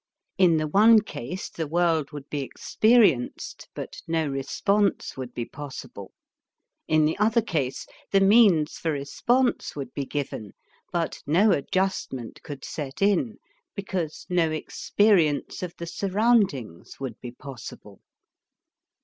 In the one case the world would be experienced, but no response would be possible; in the other case, the means for response would be given, but no adjustment could set in because no experience of the surroundings would be possible.